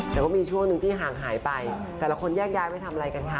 แต่ก็มีช่วงหนึ่งที่ห่างหายไปแต่ละคนแยกย้ายไปทำอะไรกันคะ